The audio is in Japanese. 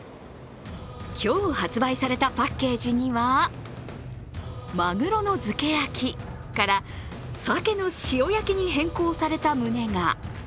今日発売されたパッケージには鮪の漬け焼から鮭の塩焼きに変更された旨が。